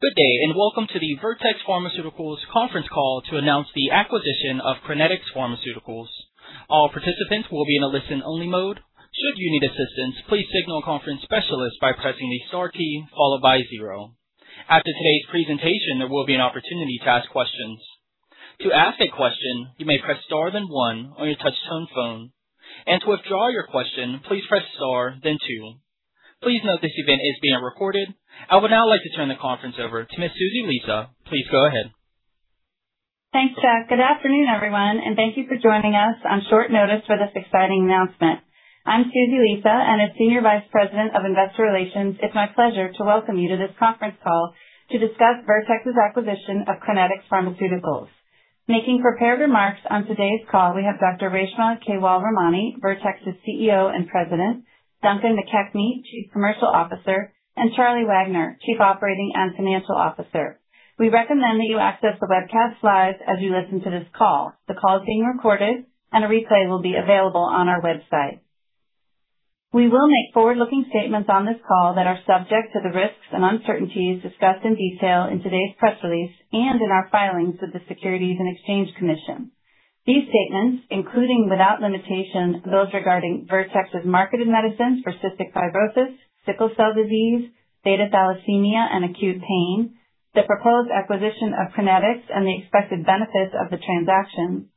Good day. Welcome to the Vertex Pharmaceuticals conference call to announce the acquisition of Crinetics Pharmaceuticals. All participants will be in a listen-only mode. Should you need assistance, please signal a conference specialist by pressing the star key followed by zero. After today's presentation, there will be an opportunity to ask questions. To ask a question, you may press star then one on your touch-tone phone. To withdraw your question, please press star then two. Please note this event is being recorded. I would now like to turn the conference over to Miss Susie Lisa. Please go ahead. Thanks, Chuck. Good afternoon, everyone. Thank you for joining us on short notice for this exciting announcement. I'm Susie Lisa. As Senior Vice President of Investor Relations, it's my pleasure to welcome you to this conference call to discuss Vertex's acquisition of Crinetics Pharmaceuticals. Making prepared remarks on today's call, we have Dr. Reshma Kewalramani, Vertex's CEO and President, Duncan McKechnie, Chief Commercial Officer, and Charles Wagner, Chief Operating and Financial Officer. We recommend that you access the webcast slides as you listen to this call. The call is being recorded. A replay will be available on our website. We will make forward-looking statements on this call that are subject to the risks and uncertainties discussed in detail in today's press release and in our filings with the Securities and Exchange Commission. These statements, including without limitation, those regarding Vertex's marketed medicines for cystic fibrosis, sickle cell disease, beta thalassemia, and acute pain, the proposed acquisition of Crinetics and the expected benefits of the transaction,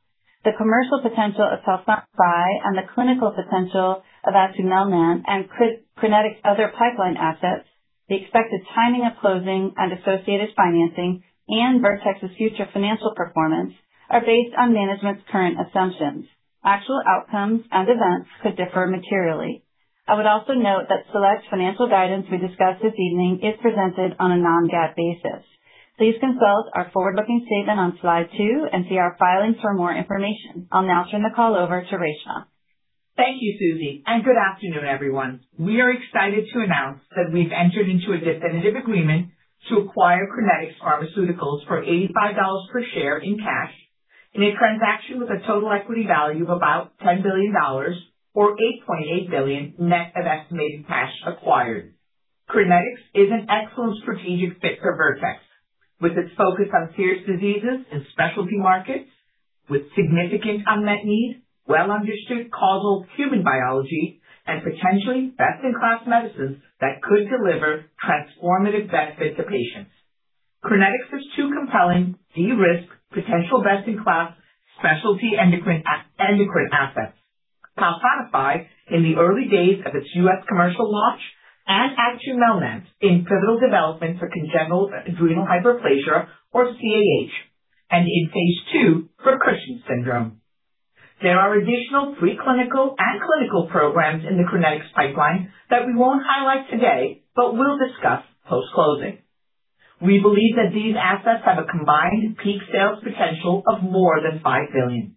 the commercial potential of PALSONIFY and the clinical potential of atumelnant and Crinetics's other pipeline assets, the expected timing of closing and associated financing, and Vertex's future financial performance are based on management's current assumptions. Actual outcomes and events could differ materially. I would also note that select financial guidance we discuss this evening is presented on a non-GAAP basis. Please consult our forward-looking statement on slide two and see our filings for more information. I'll now turn the call over to Reshma. Thank you, Susie. Good afternoon, everyone. We are excited to announce that we've entered into a definitive agreement to acquire Crinetics Pharmaceuticals for $85 per share in cash in a transaction with a total equity value of about $10 billion or $8.8 billion net of estimated cash acquired. Crinetics is an excellent strategic fit for Vertex. With its focus on serious diseases and specialty markets, with significant unmet need, well-understood causal human biology, and potentially best-in-class medicines that could deliver transformative benefit to patients. Crinetics has two compelling de-risk potential best-in-class specialty endocrine assets, PALSONIFY in the early days of its U.S. commercial launch and atumelnant in pivotal development for congenital adrenal hyperplasia, or CAH, and in phase II for Cushing's syndrome. There are additional preclinical and clinical programs in the Crinetics pipeline that we won't highlight today, but we'll discuss post-closing. We believe that these assets have a combined peak sales potential of more than $5 billion.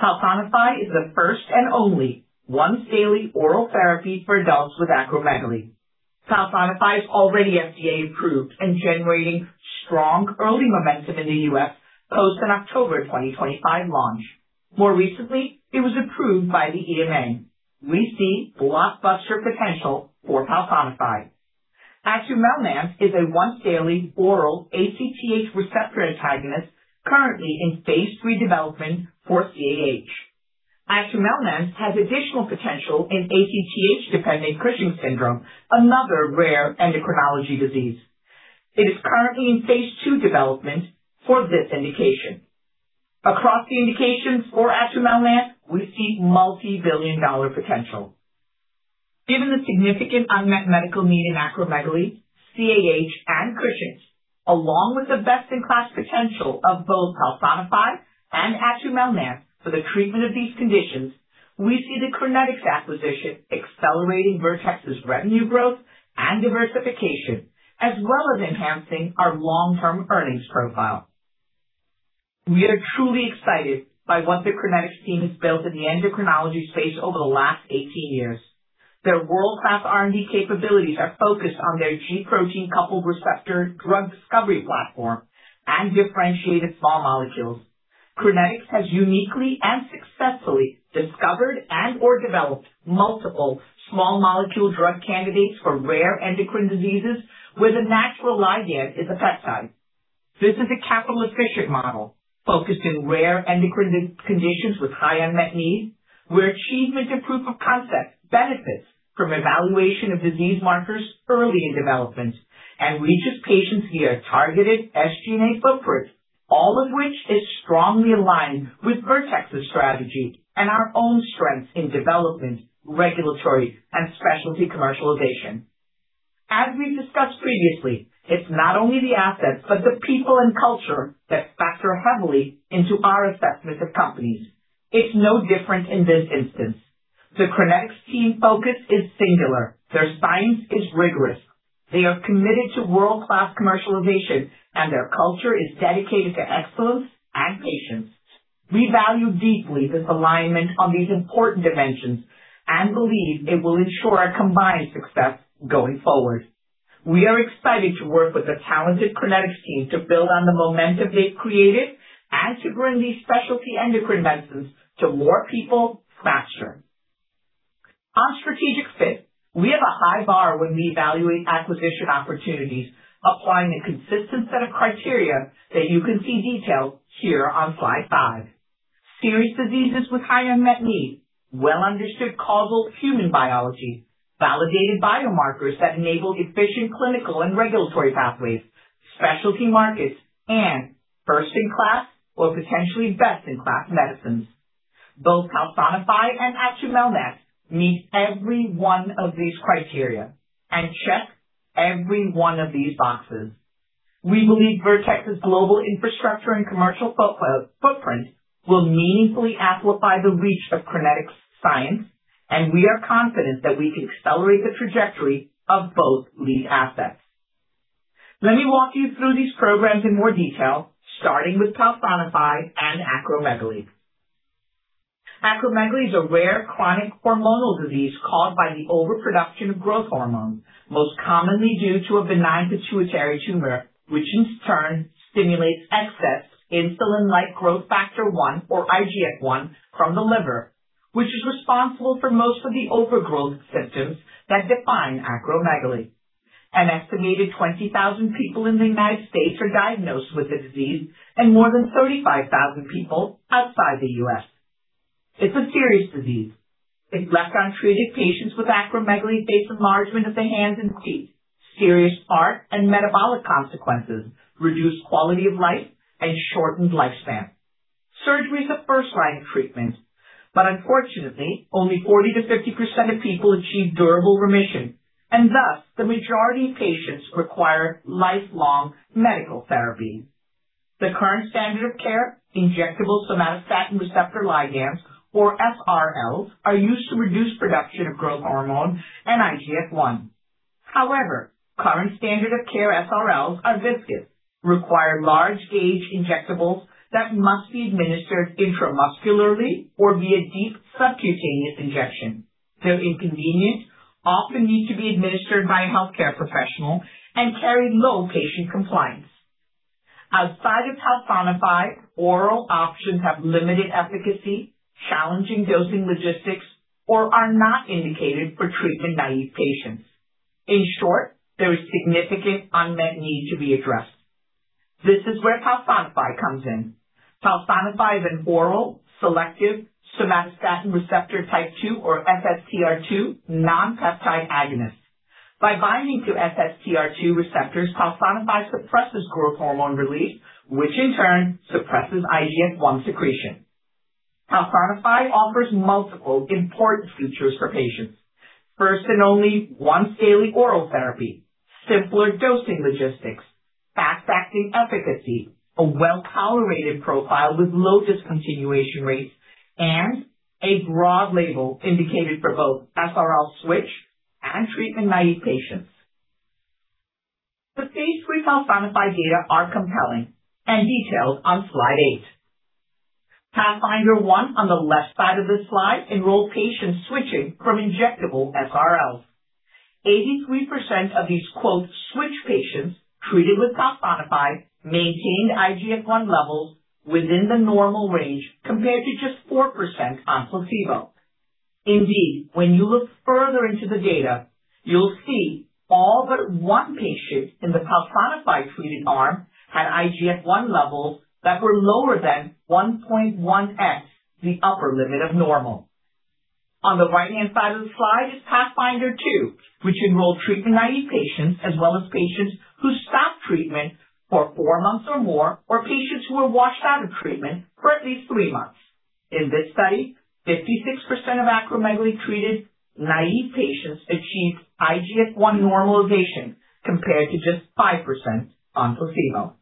PALSONIFY is the first and only once-daily oral therapy for adults with acromegaly. PALSONIFY is already FDA-approved and generating strong early momentum in the U.S. post an October 2025 launch. More recently, it was approved by the EMA. We see blockbuster potential for PALSONIFY. atumelnant is a once-daily oral ACTH receptor antagonist currently in phase III development for CAH. atumelnant has additional potential in ACTH-dependent Cushing's syndrome, another rare endocrinology disease. It is currently in phase II development for this indication. Across the indications for atumelnant, we see multi-billion dollar potential. Given the significant unmet medical need in acromegaly, CAH, and Cushing's, along with the best-in-class potential of both PALSONIFY and atumelnant for the treatment of these conditions, we see the Crinetics acquisition accelerating Vertex's revenue growth and diversification, as well as enhancing our long-term earnings profile. We are truly excited by what the Crinetics team has built in the endocrinology space over the last 18 years. Their world-class R&D capabilities are focused on their G protein-coupled receptor drug discovery platform and differentiated small molecules. Crinetics has uniquely and successfully discovered and/or developed multiple small molecule drug candidates for rare endocrine diseases where the natural ligand is a peptide. This is a capital-efficient model focused in rare endocrine conditions with high unmet need, where achievement in proof of concept benefits from evaluation of disease markers early in development and reaches patients via a targeted SG&A footprint, all of which is strongly aligned with Vertex's strategy and our own strengths in development, regulatory, and specialty commercialization. As we discussed previously, it's not only the assets, but the people and culture that factor heavily into our assessment of companies. It's no different in this instance. The Crinetics team focus is singular. Their science is rigorous. They are committed to world-class commercialization. Their culture is dedicated to excellence and patients. We value deeply this alignment on these important dimensions and believe it will ensure our combined success going forward. We are excited to work with the talented Crinetics team to build on the momentum they've created and to bring these specialty endocrine medicines to more people faster. On strategic fit, we have a high bar when we evaluate acquisition opportunities, applying a consistent set of criteria that you can see detailed here on slide five. Serious diseases with high unmet need, well-understood causal human biology, validated biomarkers that enable efficient clinical and regulatory pathways, specialty markets, and first-in-class or potentially best-in-class medicines. Both PALSONIFY and atumelnant meet every one of these criteria and checks every one of these boxes. We believe Vertex's global infrastructure and commercial footprint will meaningfully amplify the reach of Crinetics' science. We are confident that we can accelerate the trajectory of both lead assets. Let me walk you through these programs in more detail, starting with PALSONIFY and acromegaly. Acromegaly is a rare chronic hormonal disease caused by the overproduction of growth hormone, most commonly due to a benign pituitary tumor, which in turn stimulates excess insulin-like growth factor one or IGF-1 from the liver, which is responsible for most of the overgrowth symptoms that define acromegaly. An estimated 20,000 people in the U.S. are diagnosed with the disease and more than 35,000 people outside the U.S. It's a serious disease. If left untreated, patients with acromegaly face enlargement of the hands and feet, serious heart and metabolic consequences, reduced quality of life, and shortened lifespan. Surgery is a first-line treatment, but unfortunately, only 40%-50% of people achieve durable remission, and thus, the majority of patients require lifelong medical therapies. The current standard of care, injectable somatostatin receptor ligands or SRLs, are used to reduce production of growth hormone and IGF-1. Current standard of care SRLs are viscous, require large gauge injectables that must be administered intramuscularly or via deep subcutaneous injection. They're inconvenient, often need to be administered by a healthcare professional, and carry low patient compliance. Outside of PALSONIFY, oral options have limited efficacy, challenging dosing logistics, or are not indicated for treatment-naive patients. In short, there is significant unmet need to be addressed. This is where PALSONIFY comes in. PALSONIFY is an oral selective somatostatin receptor type 2 or SSTR2 non-peptide agonist. By binding to SSTR2 receptors, PALSONIFY suppresses growth hormone release, which in turn suppresses IGF-1 secretion. PALSONIFY offers multiple important features for patients. First and only once-daily oral therapy, simpler dosing logistics, fast-acting efficacy, a well-tolerated profile with low discontinuation rates, and a broad label indicated for both SRL switch and treatment-naive patients. The stage 3 PALSONIFY data are compelling and detailed on slide eight. PATHFNDR-1 on the left side of this slide enrolled patients switching from injectable SRLs. 83% of these "switch patients" treated with PALSONIFY maintained IGF-1 levels within the normal range, compared to just 4% on placebo. Indeed, when you look further into the data, you'll see all but one patient in the PALSONIFY-treated arm had IGF-1 levels that were lower than 1.1x, the upper limit of normal. On the right-hand side of the slide is PATHFNDR-2, which enrolled treatment-naive patients, as well as patients who stopped treatment for four months or more, or patients who were washed out of treatment for at least three months. In this study, 56% of acromegaly-treated naive patients achieved IGF-1 normalization, compared to just 5% on placebo.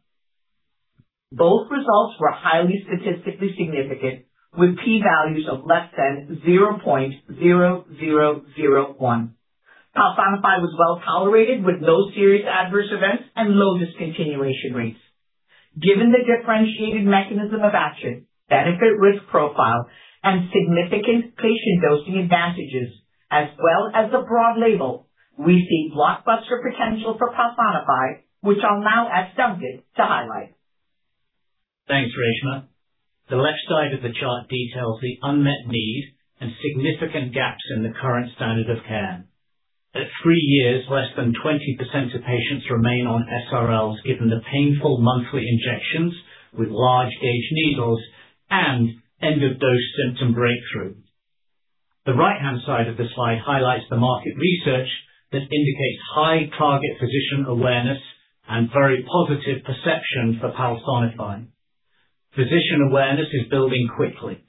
Both results were highly statistically significant, with P values of less than 0.0001. PALSONIFY was well tolerated, with no serious adverse events and low discontinuation rates. Given the differentiated mechanism of action, benefit-risk profile, and significant patient dosing advantages, as well as the broad label, we see blockbuster potential for PALSONIFY, which I'll now ask Duncan to highlight. Thanks, Reshma. The left side of the chart details the unmet need and significant gaps in the current standard of care. At three years, less than 20% of patients remain on SRLs, given the painful monthly injections with large gauge needles and end-of-dose symptom breakthrough. The right-hand side of the slide highlights the market research that indicates high target physician awareness and very positive perception for PALSONIFY. Physician awareness is building quickly.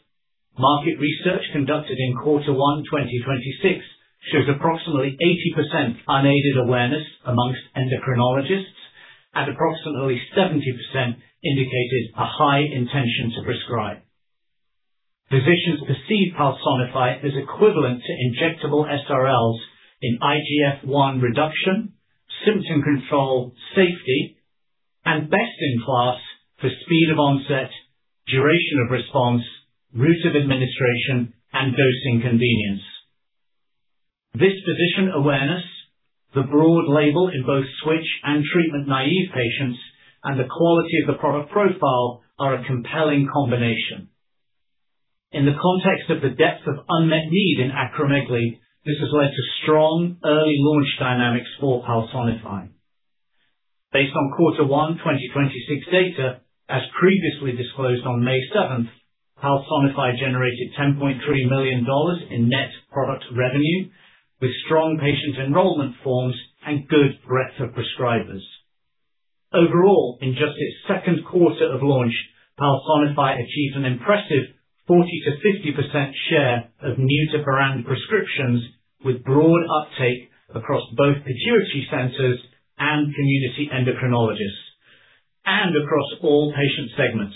Market research conducted in quarter one 2026 shows approximately 80% unaided awareness amongst endocrinologists, and approximately 70% indicated a high intention to prescribe. Physicians perceive PALSONIFY as equivalent to injectable SRLs in IGF-1 reduction, symptom control, safety, and best in class for speed of onset, duration of response, route of administration, and dosing convenience. This physician awareness The broad label in both switch and treatment-naïve patients and the quality of the product profile are a compelling combination. In the context of the depth of unmet need in acromegaly, this has led to strong early launch dynamics for PALSONIFY. Based on quarter one 2026 data, as previously disclosed on May seventh, PALSONIFY generated $10.3 million in net product revenue, with strong patient enrollment forms and good breadth of prescribers. Overall, in just its second quarter of launch, PALSONIFY achieved an impressive 40%-50% share of new-to-brand prescriptions, with broad uptake across both pituitary centers and community endocrinologists, and across all patient segments.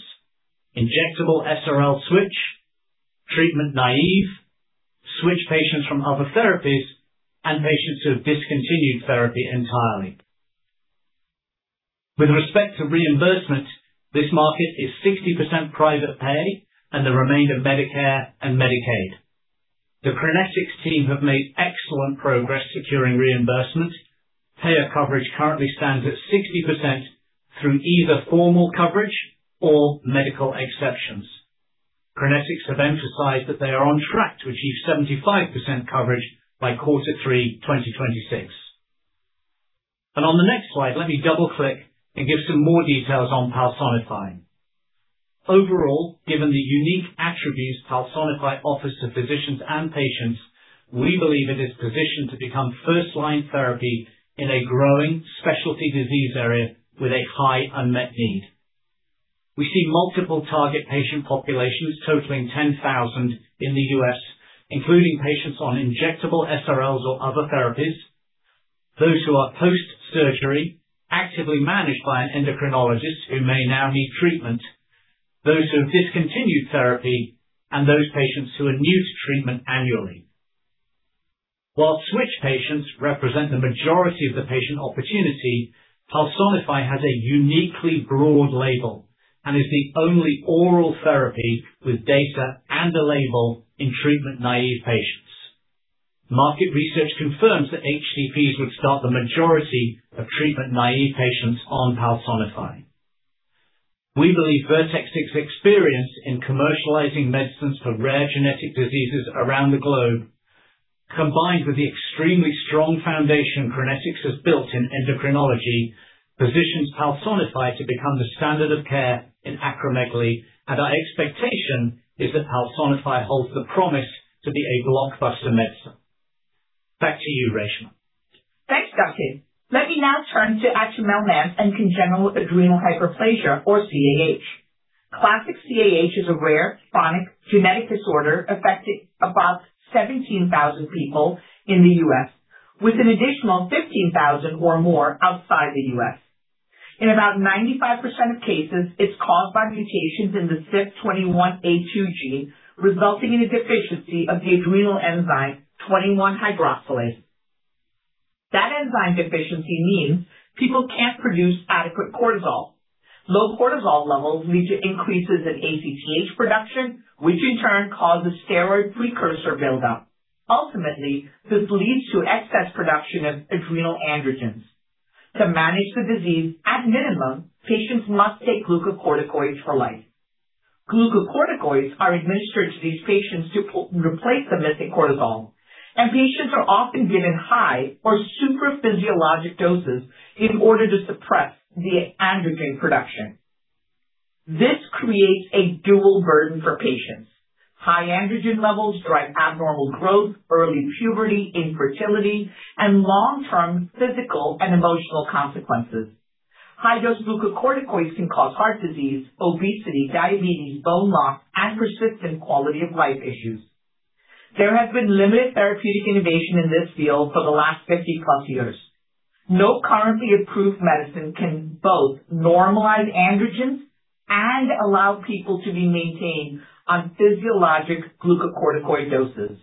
Injectable SRL switch, treatment-naïve, switch patients from other therapies, and patients who have discontinued therapy entirely. With respect to reimbursement, this market is 60% private pay and the remainder Medicare and Medicaid. The Crinetics team have made excellent progress securing reimbursement. Payer coverage currently stands at 60% through either formal coverage or medical exceptions. Crinetics have emphasized that they are on track to achieve 75% coverage by quarter three 2026. On the next slide, let me double-click and give some more details on PALSONIFY. Overall, given the unique attributes PALSONIFY offers to physicians and patients, we believe it is positioned to become first-line therapy in a growing specialty disease area with a high unmet need. We see multiple target patient populations totaling 10,000 in the U.S., including patients on injectable SRLs or other therapies, those who are post-surgery, actively managed by an endocrinologist who may now need treatment, those who have discontinued therapy, and those patients who are new to treatment annually. While switch patients represent the majority of the patient opportunity, PALSONIFY has a uniquely broad label and is the only oral therapy with data and a label in treatment-naïve patients. Market research confirms that HCPs would start the majority of treatment-naïve patients on PALSONIFY. We believe Vertex's experience in commercializing medicines for rare genetic diseases around the globe, combined with the extremely strong foundation Crinetics has built in endocrinology, positions PALSONIFY to become the standard of care in acromegaly, and our expectation is that PALSONIFY holds the promise to be a blockbuster medicine. Back to you, Reshma. Thanks, Duncan. Let me now turn to atumelnant and congenital adrenal hyperplasia or CAH. Classic CAH is a rare chronic genetic disorder affecting about 17,000 people in the U.S., with an additional 15,000 or more outside the U.S. In about 95% of cases, it's caused by mutations in the CYP21A2 gene, resulting in a deficiency of the adrenal enzyme 21-hydroxylase. That enzyme deficiency means people can't produce adequate cortisol. Low cortisol levels lead to increases in ACTH production, which in turn causes steroid precursor buildup. Ultimately, this leads to excess production of adrenal androgens. To manage the disease, at minimum, patients must take glucocorticoids for life. Glucocorticoids are administered to these patients to replace the missing cortisol, and patients are often given high or supraphysiologic doses in order to suppress the androgen production. This creates a dual burden for patients. High androgen levels drive abnormal growth, early puberty, infertility, and long-term physical and emotional consequences. High-dose glucocorticoids can cause heart disease, obesity, diabetes, bone loss, and persistent quality-of-life issues. There has been limited therapeutic innovation in this field for the last 50-plus years. No currently approved medicine can both normalize androgens and allow people to be maintained on physiologic glucocorticoid doses.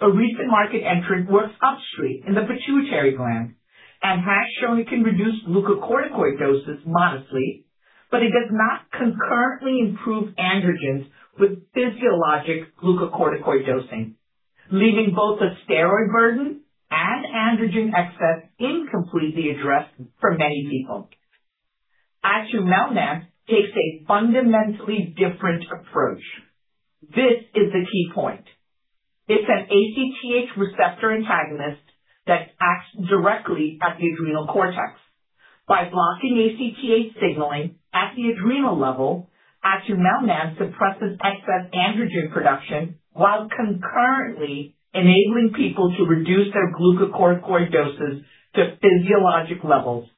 A recent market entrant works upstream in the pituitary gland and has shown it can reduce glucocorticoid doses modestly, but it does not concurrently improve androgens with physiologic glucocorticoid dosing, leaving both the steroid burden and androgen excess incompletely addressed for many people. Atumelnant takes a fundamentally different approach. This is the key point. It's an ACTH receptor antagonist that acts directly at the adrenal cortex. By blocking ACTH signaling at the adrenal level, atumelnant suppresses excess androgen production while concurrently enabling people to reduce their glucocorticoid doses to physiologic levels,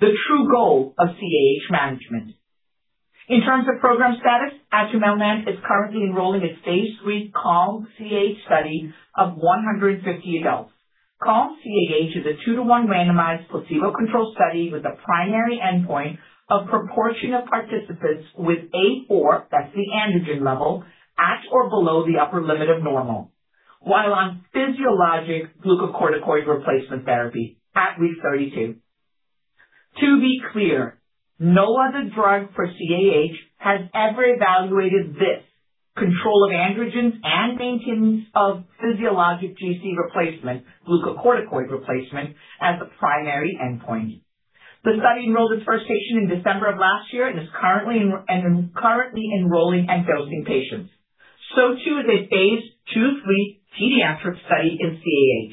the true goal of CAH management. In terms of program status, atumelnant is currently enrolling a phase III CALM-CAH study of 150 adults. CALM-CAH is a 2-to-1 randomized placebo-controlled study with a primary endpoint of proportion of participants with A4, that's the androgen level, at or below the upper limit of normal while on physiologic glucocorticoid replacement therapy at week 32. To be clear, no other drug for CAH has ever evaluated this control of androgens and maintenance of physiologic glucocorticoid replacement as a primary endpoint. The study enrolled its first patient in December of last year and is currently enrolling and dosing patients. So too is a phase II/III pediatric study in CAH.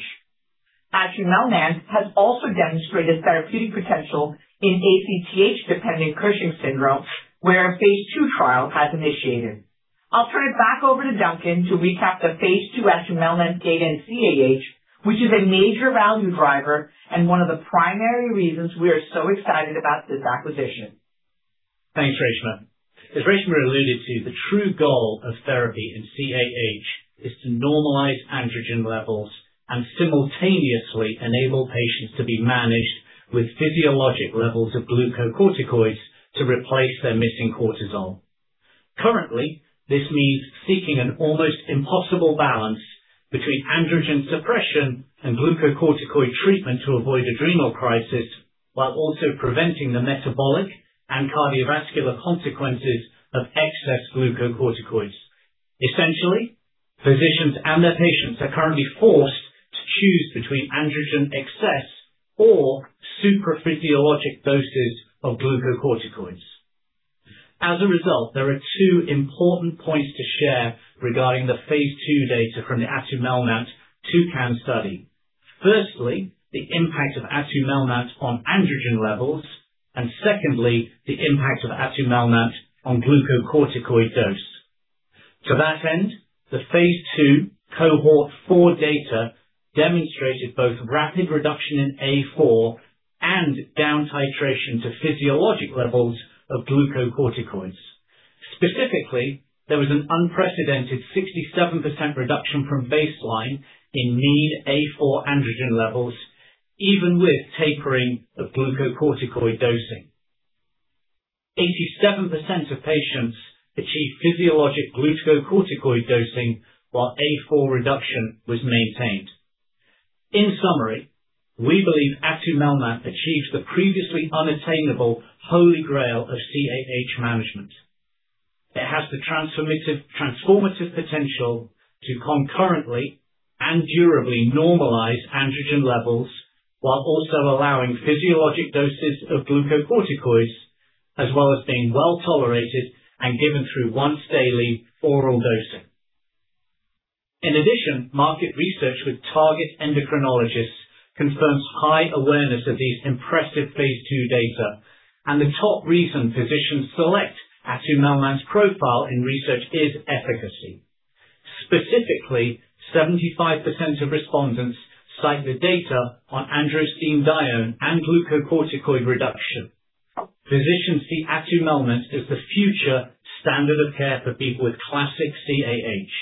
Atumelnant has also demonstrated therapeutic potential in ACTH-dependent Cushing's syndrome, where a phase II trial has initiated. I'll turn it back over to Duncan to recap the phase II atumelnant data in CAH, which is a major value driver and one of the primary reasons we are so excited about this acquisition. Thanks, Reshma. As Reshma alluded to, the true goal of therapy in CAH is to normalize androgen levels and simultaneously enable patients to be managed with physiologic levels of glucocorticoids to replace their missing cortisol. Currently, this means seeking an almost impossible balance between androgen suppression and glucocorticoid treatment to avoid adrenal crisis, while also preventing the metabolic and cardiovascular consequences of excess glucocorticoids. Essentially, physicians and their patients are currently forced to choose between androgen excess or supraphysiologic doses of glucocorticoids. As a result, there are two important points to share regarding the phase II data from the atumelnant TouCAHn study. Firstly, the impact of atumelnant on androgen levels, and secondly, the impact of atumelnant on glucocorticoid dose. To that end, the phase II cohort 4 data demonstrated both rapid reduction in A4 and down titration to physiologic levels of glucocorticoids. Specifically, there was an unprecedented 67% reduction from baseline in mean A4 androgen levels, even with tapering of glucocorticoid dosing. 87% of patients achieved physiologic glucocorticoid dosing while A4 reduction was maintained. In summary, we believe atumelnant achieves the previously unattainable holy grail of CAH management. It has the transformative potential to concurrently and durably normalize androgen levels while also allowing physiologic doses of glucocorticoids, as well as being well-tolerated and given through once-daily oral dosing. In addition, market research with target endocrinologists confirms high awareness of these impressive phase II data, and the top reason physicians select atumelnant's profile in research is efficacy. Specifically, 75% of respondents cite the data on androstenedione and glucocorticoid reduction. Physicians see atumelnant as the future standard of care for people with classic CAH.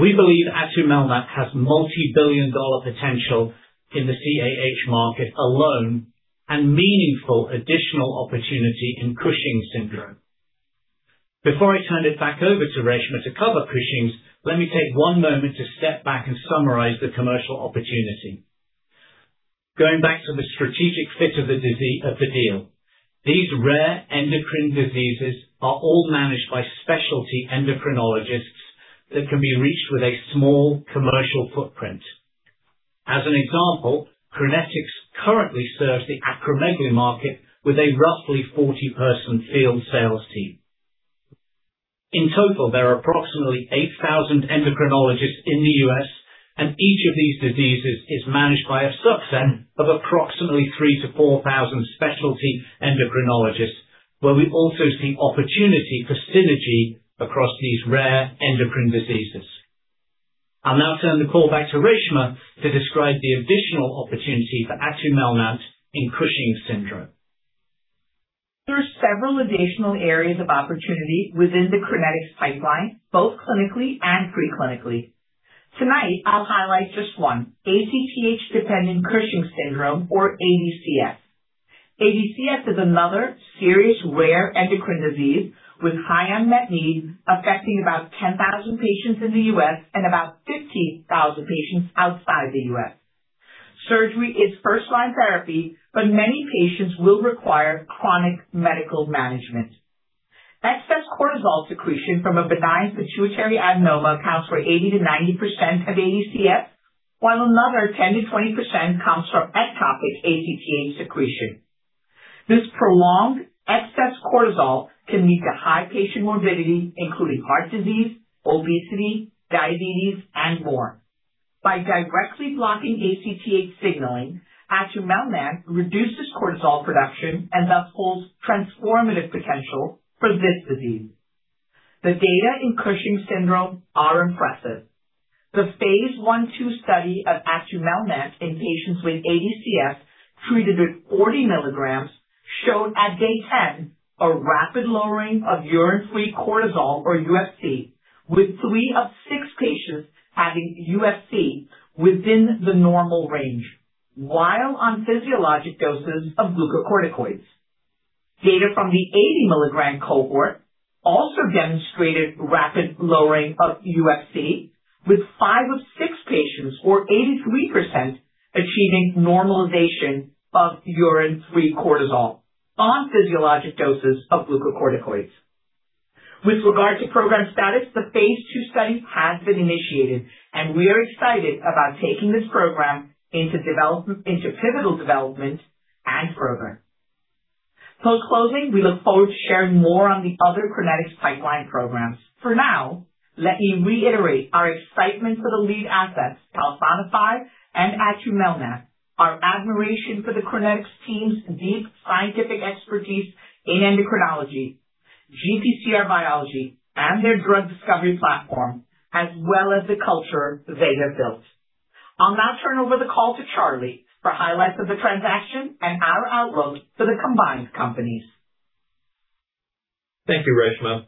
We believe atumelnant has multibillion-dollar potential in the CAH market alone and meaningful additional opportunity in Cushing's syndrome. Before I turn it back over to Reshma to cover Cushing's, let me take one moment to step back and summarize the commercial opportunity. Going back to the strategic fit of the deal. These rare endocrine diseases are all managed by specialty endocrinologists that can be reached with a small commercial footprint. As an example, Crinetics currently serves the acromegaly market with a roughly 40-person field sales team. In total, there are approximately 8,000 endocrinologists in the U.S., and each of these diseases is managed by a subset of approximately 3,000 to 4,000 specialty endocrinologists, where we also see opportunity for synergy across these rare endocrine diseases. I'll now turn the call back to Reshma to describe the additional opportunity for atumelnant in Cushing's syndrome. There are several additional areas of opportunity within the Crinetics pipeline, both clinically and pre-clinically. Tonight, I'll highlight just one, ACTH-dependent Cushing's syndrome, or ADCS. ADCS is another serious rare endocrine disease with high unmet need, affecting about 10,000 patients in the U.S. and about 50,000 patients outside the U.S. Surgery is first-line therapy, but many patients will require chronic medical management. Excess cortisol secretion from a benign pituitary adenoma accounts for 80%-90% of ADCS, while another 10%-20% comes from ectopic ACTH secretion. This prolonged excess cortisol can lead to high patient morbidity, including heart disease, obesity, diabetes, and more. By directly blocking ACTH signaling, atumelnant reduces cortisol production and thus holds transformative potential for this disease. The data in Cushing's syndrome are impressive. The phase I/II study of atumelnant in patients with ADCS treated with 40 mg showed at day 10 a rapid lowering of urine-free cortisol, or UFC, with three of six patients having UFC within the normal range while on physiologic doses of glucocorticoids. Data from the 80 mg cohort also demonstrated rapid lowering of UFC with five of six patients, or 83%, achieving normalization of urine-free cortisol on physiologic doses of glucocorticoids. With regard to program status, the phase II study has been initiated. We are excited about taking this program into pivotal development and further. Post-closing, we look forward to sharing more on the other Crinetics pipeline programs. For now, let me reiterate our excitement for the lead assets, PALSONIFY and atumelnant, our admiration for the Crinetics team's deep scientific expertise in endocrinology, GPCR biology, and their drug discovery platform, as well as the culture they have built. I'll now turn over the call to Charlie for highlights of the transaction and our outlook for the combined companies. Thank you, Reshma.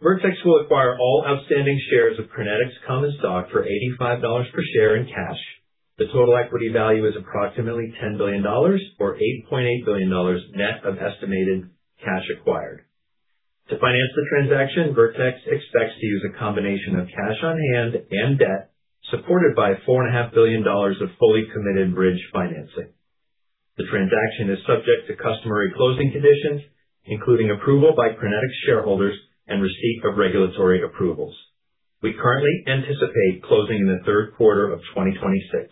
Vertex will acquire all outstanding shares of Crinetics common stock for $85 per share in cash. The total equity value is approximately $10 billion or $8.8 billion net of estimated cash acquired. To finance the transaction, Vertex expects to use a combination of cash on hand and debt supported by $4.5 billion of fully committed bridge financing. The transaction is subject to customary closing conditions, including approval by Crinetics shareholders and receipt of regulatory approvals. We currently anticipate closing in the third quarter of 2026.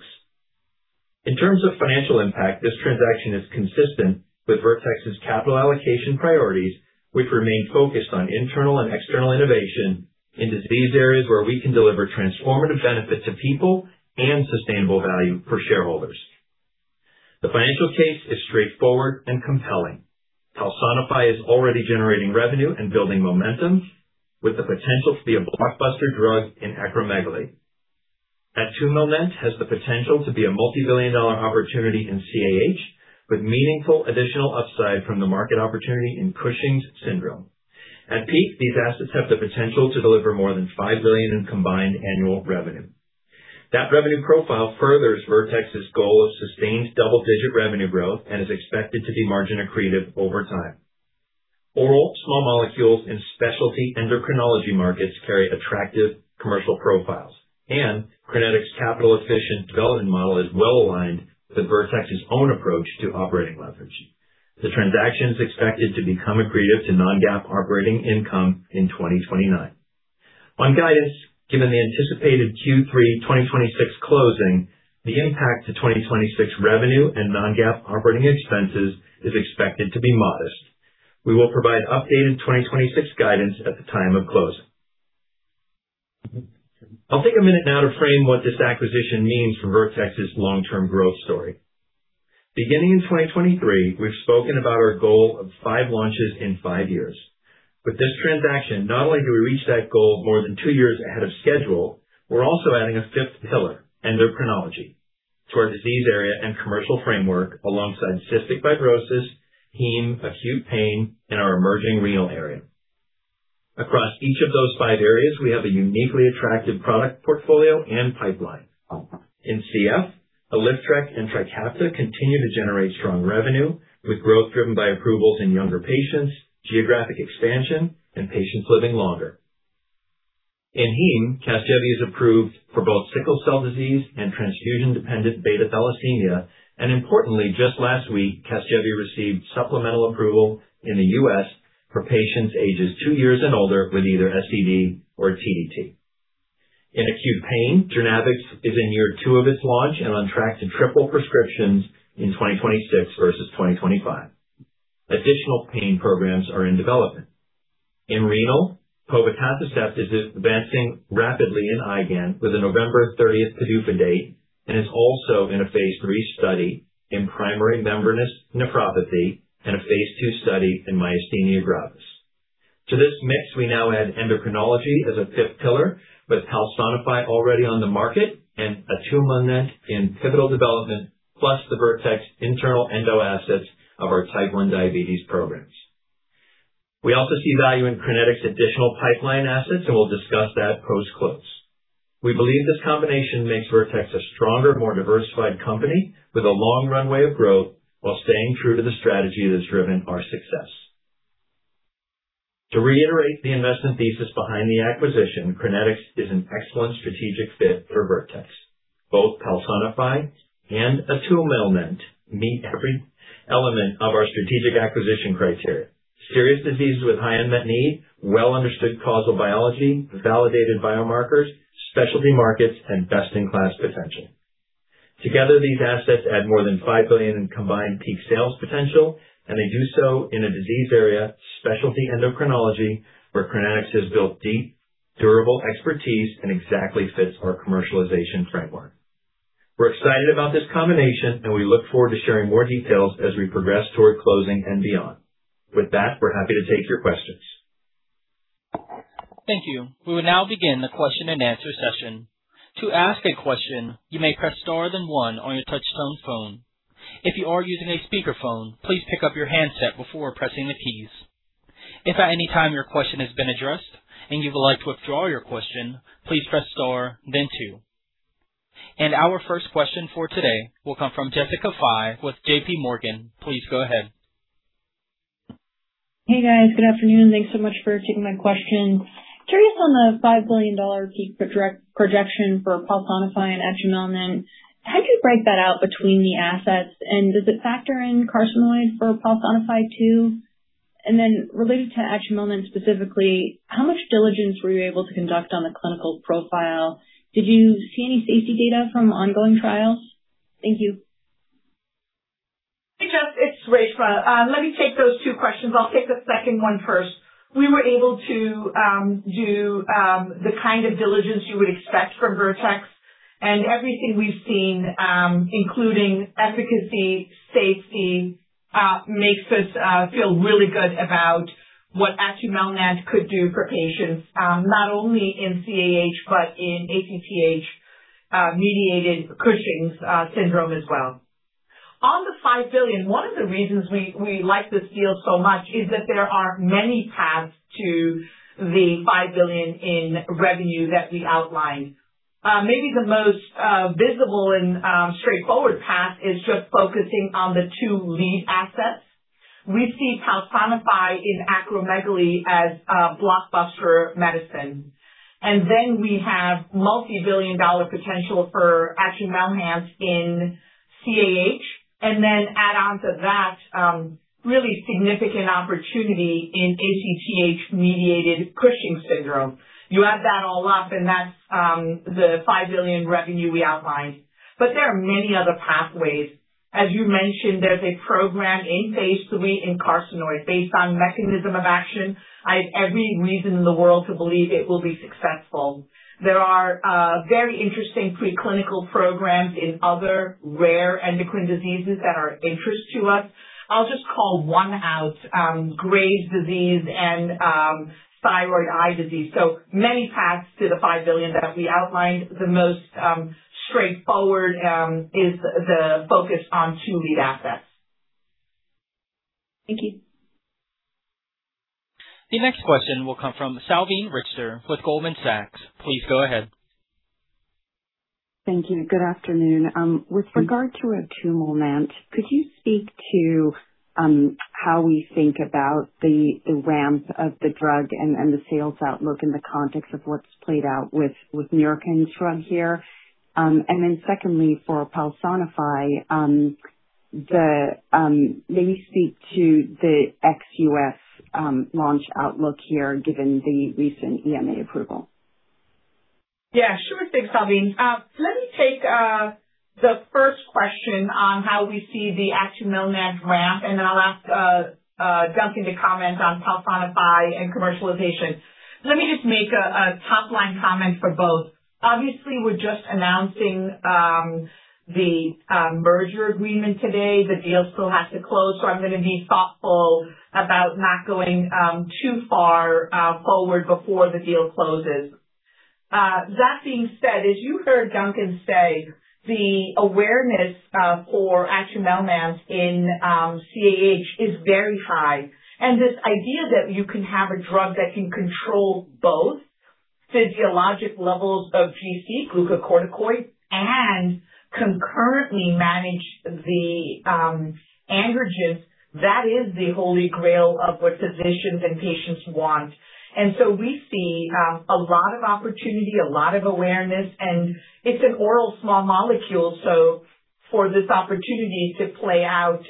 In terms of financial impact, this transaction is consistent with Vertex's capital allocation priorities, which remain focused on internal and external innovation into disease areas where we can deliver transformative benefit to people and sustainable value for shareholders. The financial case is straightforward and compelling. PALSONIFY is already generating revenue and building momentum with the potential to be a blockbuster drug in acromegaly. atumelnant has the potential to be a multi-billion dollar opportunity in CAH with meaningful additional upside from the market opportunity in Cushing's syndrome. At peak, these assets have the potential to deliver more than $5 billion in combined annual revenue. That revenue profile furthers Vertex's goal of sustained double-digit revenue growth and is expected to be margin accretive over time. Oral small molecules and specialty endocrinology markets carry attractive commercial profiles, and Crinetics capital efficient development model is well aligned with Vertex's own approach to operating leverage. The transaction is expected to be accretive to non-GAAP operating income in 2029. On guidance, given the anticipated Q3 2026 closing, the impact to 2026 revenue and non-GAAP operating expenses is expected to be modest. We will provide updated 2026 guidance at the time of closing. I'll take a minute now to frame what this acquisition means for Vertex's long-term growth story. Beginning in 2023, we've spoken about our goal of five launches in five years. With this transaction, not only do we reach that goal more than two years ahead of schedule, we're also adding a fifth pillar, endocrinology, to our disease area and commercial framework, alongside cystic fibrosis, heme, acute pain, and our emerging renal area. Across each of those five areas, we have a uniquely attractive product portfolio and pipeline. In CF, ALYFTREK and TRIKAFTA continue to generate strong revenue with growth driven by approvals in younger patients, geographic expansion, and patients living longer. In heme, CASGEVY is approved for both sickle cell disease and transfusion-dependent beta thalassemia. Importantly, just last week, CASGEVY received supplemental approval in the U.S. for patients ages two years and older with either SCD or TDT. In acute pain, JOURNAVX is in year two of its launch and on track to triple prescriptions in 2026 versus 2025. Additional pain programs are in development. In renal, povetacicept is advancing rapidly in IGAN with a November 30th PDUFA date and is also in a phase III study in primary membranous nephropathy and a phase II study in myasthenia gravis. To this mix, we now add endocrinology as a fifth pillar with PALSONIFY already on the market and atumelnant in pivotal development, plus the Vertex internal endo assets of our type 1 diabetes programs. We also see value in Crinetics additional pipeline assets. We'll discuss that post-close. We believe this combination makes Vertex a stronger, more diversified company with a long runway of growth while staying true to the strategy that's driven our success. To reiterate the investment thesis behind the acquisition, Crinetics is an excellent strategic fit for Vertex. Both PALSONIFY and atumelnant meet every element of our strategic acquisition criteria. Serious diseases with high unmet need, well-understood causal biology, validated biomarkers, specialty markets, and best-in-class potential. Together, these assets add more than $5 billion in combined peak sales potential. They do so in a disease area, specialty endocrinology, where Crinetics has built deep, durable expertise and exactly fits our commercialization framework. We're excited about this combination. We look forward to sharing more details as we progress toward closing and beyond. With that, we're happy to take your questions. Thank you. We will now begin the question and answer session. To ask a question, you may press star then one on your touchtone phone. If you are using a speakerphone, please pick up your handset before pressing the keys. If at any time your question has been addressed and you would like to withdraw your question, please press star then two. Our first question for today will come from Jessica Fye with J.P. Morgan. Please go ahead. Hey, guys. Good afternoon. Thanks so much for taking my questions. Curious on the $5 billion peak projection for PALSONIFY and atumelnant. How do you break that out between the assets, and does it factor in carcinoid for PALSONIFY, too? Related to atumelnant specifically, how much diligence were you able to conduct on the clinical profile? Did you see any safety data from ongoing trials? Thank you. Hey, Jess, it's Reshma. Let me take those two questions. I'll take the second one first. We were able to do the kind of diligence you would expect from Vertex, and everything we've seen including efficacy, safety, makes us feel really good about what atumelnant could do for patients, not only in CAH but in ACTH-mediated Cushing's syndrome as well. On the $5 billion, one of the reasons we like this deal so much is that there are many paths to the $5 billion in revenue that we outlined. Maybe the most visible and straightforward path is just focusing on the two lead assets. We see PALSONIFY in acromegaly as a blockbuster medicine. We have multi-billion-dollar potential for atumelnant in CAH, and then add onto that really significant opportunity in ACTH-mediated Cushing's syndrome. You add that all up, and that's the $5 billion revenue we outlined. There are many other pathways. As you mentioned, there's a program in phase III in carcinoid. Based on mechanism of action, I have every reason in the world to believe it will be successful. There are very interesting preclinical programs in other rare endocrine diseases that are of interest to us. I'll just call one out, Graves' disease and thyroid eye disease. Many paths to the $5 billion that we outlined. The most straightforward is the focus on two lead assets. Thank you. The next question will come from Salveen Richter with Goldman Sachs. Please go ahead. Thank you. Good afternoon. With regard to atumelnant, could you speak to how we think about the ramp of the drug and the sales outlook in the context of what's played out with Mirati's drug here? Secondly, for PALSONIFY, maybe speak to the ex-U.S. launch outlook here given the recent EMA approval. Sure thing, Salveen. Let me take the first question on how we see the atumelnant ramp, and then I'll ask Duncan to comment on PALSONIFY and commercialization. Let me just make a top-line comment for both. Obviously, we're just announcing the merger agreement today. The deal still has to close, so I'm going to be thoughtful about not going too far forward before the deal closes. That being said, as you heard Duncan say, the awareness for atumelnant in CAH is very high. This idea that you can have a drug that can control both physiologic levels of GC, glucocorticoid, and concurrently manage the androgens, that is the holy grail of what physicians and patients want. We see a lot of opportunity, a lot of awareness, and it's an oral small molecule, so for this opportunity to play out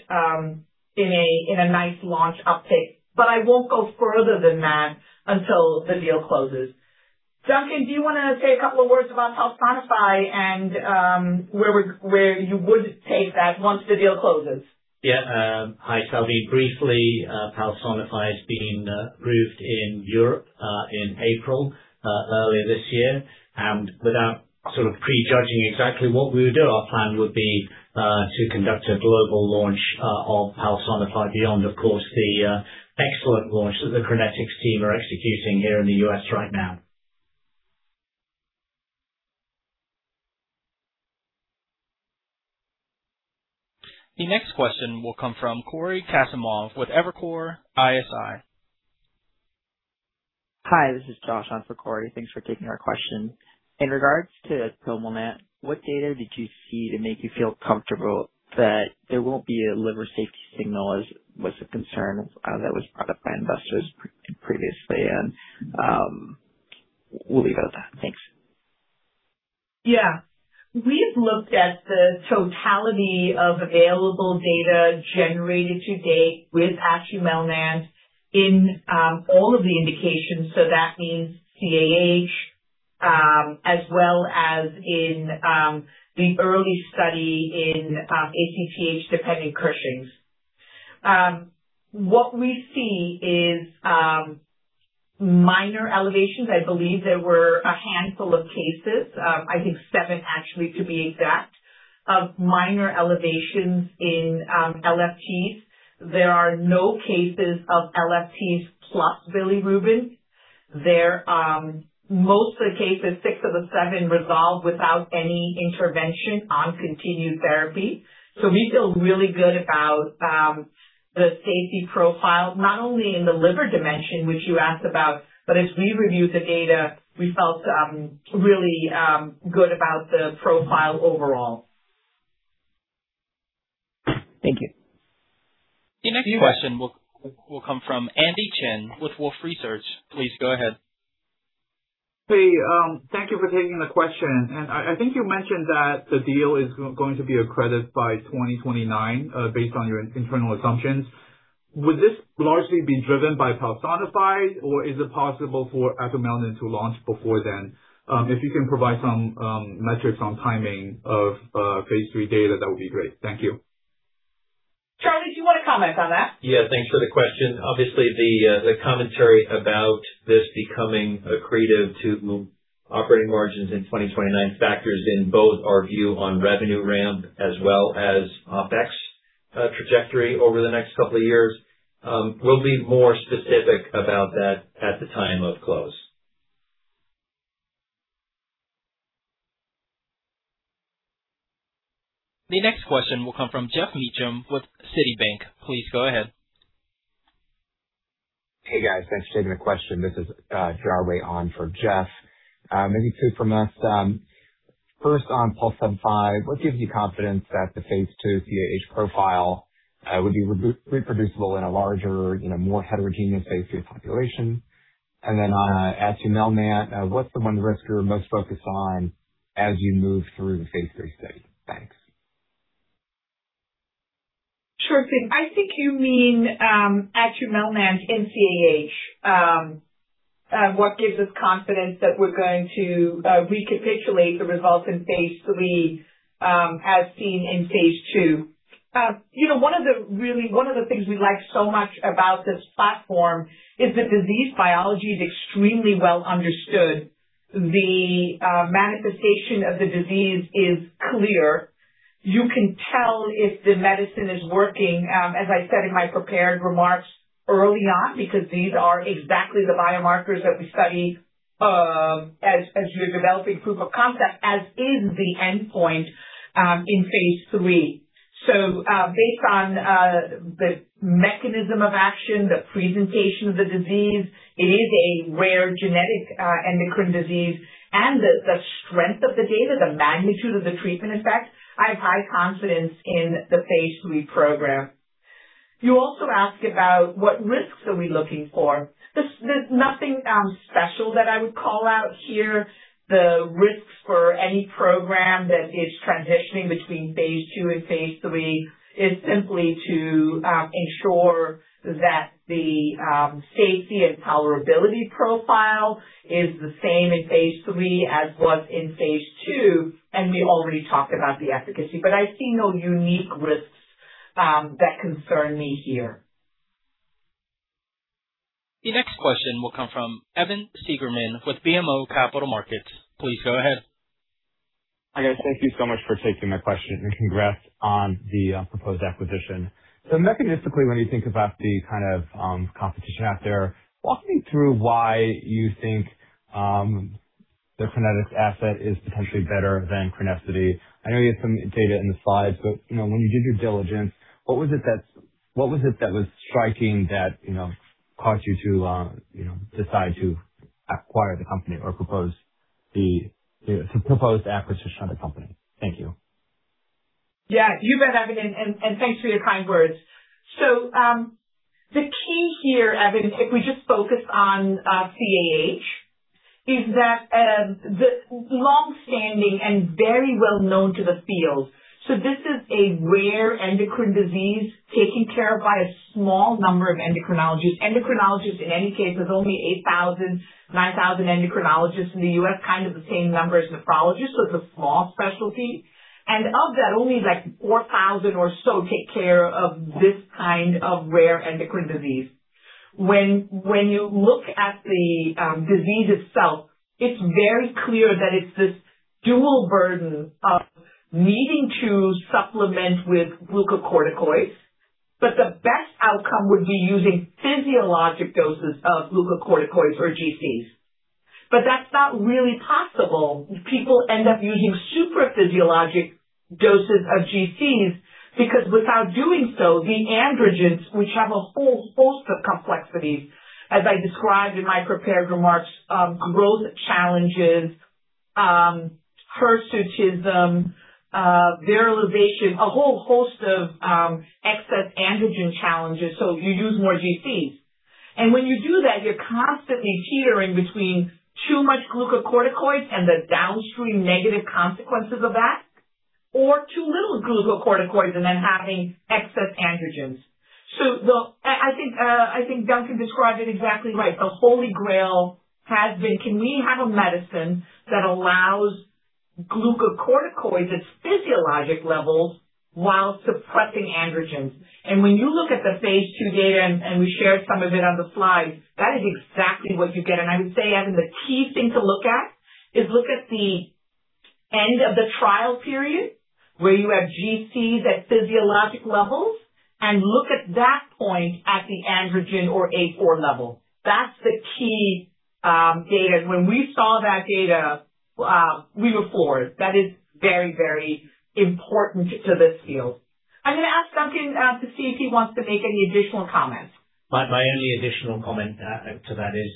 in a nice launch uptick. I won't go further than that until the deal closes. Duncan, do you want to say a couple of words about PALSONIFY and where you would take that once the deal closes? Yeah. Hi, Salveen. Briefly, PALSONIFY has been approved in Europe in April, earlier this year. Without sort of pre-judging exactly what we would do, our plan would be to conduct a global launch of PALSONIFY beyond, of course, the excellent launch that the Crinetics team are executing here in the U.S. right now. The next question will come from Cory Kasimov with Evercore ISI. Hi, this is Josh on for Cory. Thanks for taking our question. In regards to atumelnant, what data did you see to make you feel comfortable that there won't be a liver safety signal, as was the concern that was brought up by investors previously. We'll leave it at that. Thanks. Yeah. We've looked at the totality of available data generated to date with atumelnant in all of the indications. That means CAH, as well as in the early study in ACTH-dependent Cushing's. What we see is minor elevations. I believe there were a handful of cases, I think seven actually, to be exact, of minor elevations in LFTs. There are no cases of LFTs plus bilirubin. Most of the cases, six of the seven, resolved without any intervention on continued therapy. We feel really good about the safety profile, not only in the liver dimension, which you asked about, but as we reviewed the data, we felt really good about the profile overall. Thank you. The next question will come from Andy Chen with Wolfe Research. Please go ahead. Hey, thank you for taking the question. I think you mentioned that the deal is going to be accretive by 2029, based on your internal assumptions. Would this largely be driven by PALSONIFY, or is it possible for atumelnant to launch before then? If you can provide some metrics on timing of phase III data, that would be great. Thank you. Charlie, do you want to comment on that? Yeah, thanks for the question. Obviously, the commentary about this becoming accretive to operating margins in 2029 factors in both our view on revenue ramp as well as Opex trajectory over the next couple of years. We'll be more specific about that at the time of close. The next question will come from Geoff Meacham with Citibank. Please go ahead. Hey, guys. Thanks for taking the question. This is Jarway on for Geoff. Maybe two from us. First on PALSONIFY, what gives you confidence that the phase II CAH profile would be reproducible in a larger, more heterogeneous phase II population? On atumelnant, what's the one risk you're most focused on as you move through the phase III study? Thanks. Sure thing. I think you mean atumelnant in CAH. What gives us confidence that we're going to recapitulate the results in phase III, as seen in phase II. One of the things we like so much about this platform is the disease biology is extremely well understood. The manifestation of the disease is clear. You can tell if the medicine is working, as I said in my prepared remarks early on, because these are exactly the biomarkers that we study as you're developing proof of concept, as is the endpoint in phase III. Based on the mechanism of action, the presentation of the disease, it is a rare genetic endocrine disease, and the strength of the data, the magnitude of the treatment effect, I have high confidence in the phase III program. You also ask about what risks are we looking for. There's nothing special that I would call out here. The risks for any program that is transitioning between phase II and phase III is simply to ensure that the safety and tolerability profile is the same in phase III as was in phase II. We already talked about the efficacy, I see no unique risks that concern me here. The next question will come from Evan Seigerman with BMO Capital Markets. Please go ahead. Hi, guys. Thank you so much for taking my question and congrats on the proposed acquisition. Mechanistically, when you think about the kind of competition out there, walk me through why you think the Crinetics asset is potentially better than Crinetics. I know you have some data in the slides, when you did your diligence, what was it that was striking that caused you to decide to acquire the company or propose the proposed acquisition of the company? Thank you. Yeah. You bet, Evan, thanks for your kind words. The key here, Evan, if we just focus on CAH, is that the long-standing and very well known to the field. This is a rare endocrine disease taken care of by a small number of endocrinologists. Endocrinologists, in any case, there's only 8,000, 9,000 endocrinologists in the U.S., kind of the same number as nephrologists. It's a small specialty. Of that, only like 4,000 or so take care of this kind of rare endocrine disease. When you look at the disease itself, it's very clear that it's this dual burden of needing to supplement with glucocorticoids. The best outcome would be using physiologic doses of glucocorticoids or GCs. That's not really possible. People end up using supraphysiologic doses of GCs because without doing so, the androgens, which have a whole host of complexities, as I described in my prepared remarks, growth challenges, hirsutism, virilization, a whole host of excess androgen challenges. You use more GCs. When you do that, you're constantly teetering between too much glucocorticoids and the downstream negative consequences of that or too little glucocorticoids and then having excess androgens. I think Duncan described it exactly right. The Holy Grail has been, can we have a medicine that allows glucocorticoids at physiologic levels while suppressing androgens? When you look at the phase II data, and we shared some of it on the slides, that is exactly what you get. I would say, Evan, the key thing to look at is look at the end of the trial period where you have GCs at physiologic levels, and look at that point at the androgen or A4 level. That's the key data. When we saw that data, we were floored. That is very, very important to this field. I'm going to ask Duncan to see if he wants to make any additional comments. My only additional comment to that is,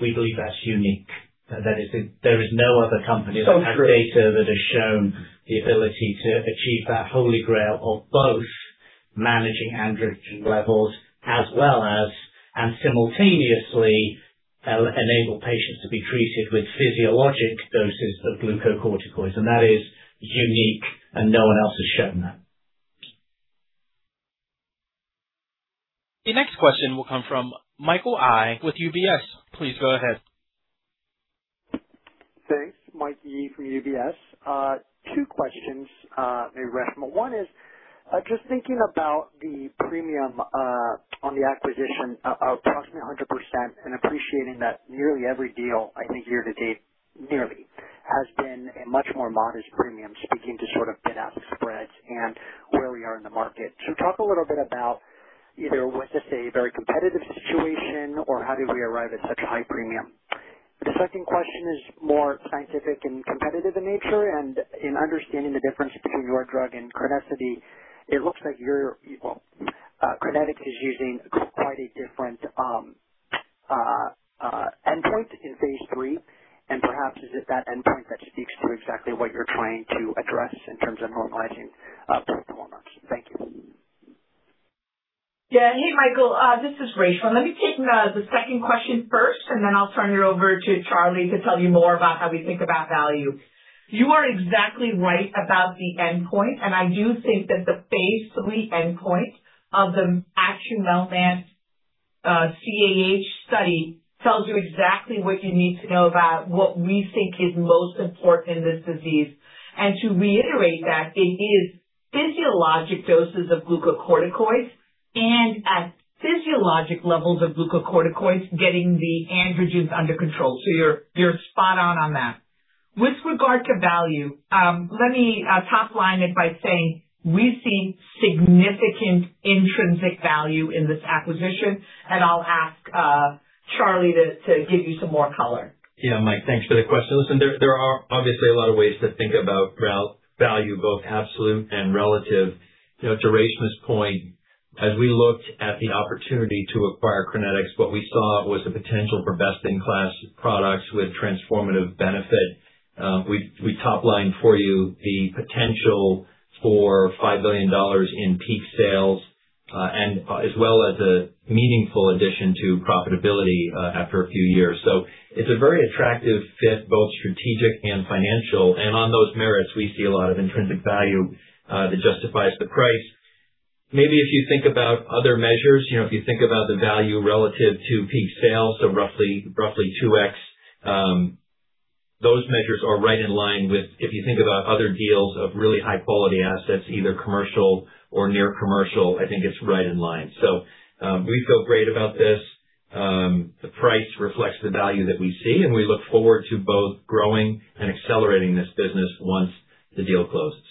we believe that's unique. That is, there is no other company. True. that has data that has shown the ability to achieve that holy grail of both managing androgen levels as well as, and simultaneously, enable patients to be treated with physiologic doses of glucocorticoids. That is unique, and no one else has shown that. The next question will come from Michael Yee with UBS. Please go ahead. Thanks. Mike Yee from UBS. Two questions, Reshma. One is, just thinking about the premium on the acquisition of approximately 100% and appreciating that nearly every deal, I think, year-to-date, nearly, has been a much more modest premium, speaking to sort of bid-ask spreads and where we are in the market. Talk a little bit about either was this a very competitive situation or how did we arrive at such a high premium? The second question is more scientific and competitive in nature and in understanding the difference between your drug and Crenessity, it looks like your people, Qternic, is using quite a different endpoint in phase III. Perhaps is it that endpoint that speaks to exactly what you're trying to address in terms of normalizing testosterone levels? Thank you. Hey, Michael, this is Reshma. Let me take the second question first, and then I'll turn it over to Charlie to tell you more about how we think about value. You are exactly right about the endpoint, and I do think that the phase III endpoint of the atumelnant CALM-CAH study tells you exactly what you need to know about what we think is most important in this disease. To reiterate that, it is physiologic doses of glucocorticoids and at physiologic levels of glucocorticoids getting the androgens under control. You're spot on on that. With regard to value, let me top line it by saying we see significant intrinsic value in this acquisition, and I'll ask Charlie to give you some more color. Mike, thanks for the question. Listen, there are obviously a lot of ways to think about value, both absolute and relative. To Reshma's point, as we looked at the opportunity to acquire Crinetics, what we saw was the potential for best-in-class products with transformative benefit. We top-lined for you the potential for $5 billion in peak sales, as well as a meaningful addition to profitability after a few years. It's a very attractive fit, both strategic and financial. On those merits, we see a lot of intrinsic value that justifies the price. Maybe if you think about other measures, if you think about the value relative to peak sales, roughly 2x, those measures are right in line with if you think about other deals of really high-quality assets, either commercial or near commercial, I think it's right in line. We feel great about this. The price reflects the value that we see, and we look forward to both growing and accelerating this business once the deal closes.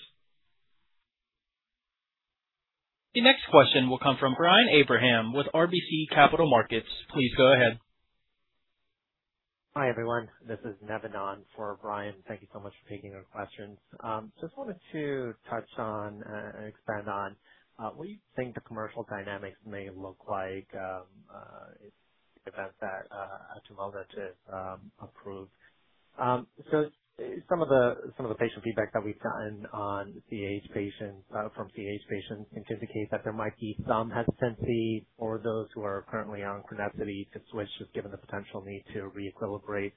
The next question will come from Brian Abrahams with RBC Capital Markets. Please go ahead. Hi, everyone. This is Navinan for Brian. Thank you so much for taking our questions. Just wanted to touch on and expand on what you think the commercial dynamics may look like, if in fact that atumelnant is approved. Some of the patient feedback that we've gotten from CAH patients indicates that there might be some hesitancy for those who are currently on Crenessity to switch, just given the potential need to re-equilibrate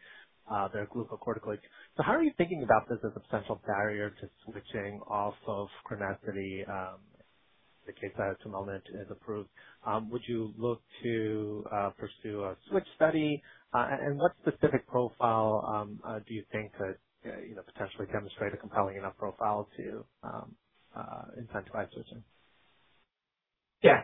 their glucocorticoids. How are you thinking about this as a potential barrier to switching off of Crinetics, in the case atumelnant is approved? Would you look to pursue a switch study? And what specific profile do you think could potentially demonstrate a compelling enough profile to incentivize switching? Yeah.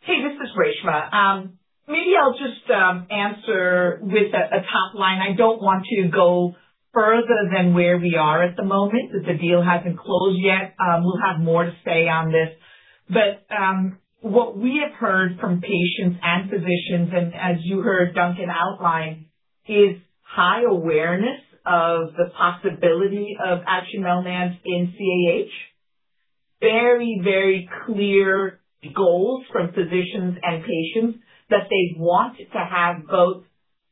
Hey, this is Reshma. Maybe I'll just answer with a top line. I don't want to go further than where we are at the moment, because the deal hasn't closed yet. We'll have more to say on this. But what we have heard from patients and physicians, and as you heard Duncan outline, is high awareness of the possibility of atumelnant in CAH. Very, very clear goals from physicians and patients that they want to have both